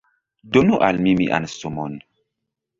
Donu al mi mian sumon!